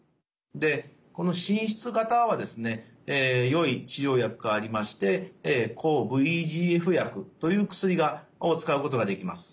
でこの滲出型はですねよい治療薬がありまして抗ＶＥＧＦ薬という薬を使うことができます。